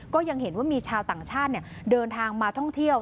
ก็ยังเห็นว่ามีชาวต่างชาติเดินทางมาท่องเที่ยว